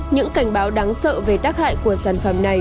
những cảnh báo đáng sợ về tác hại của sản phẩm này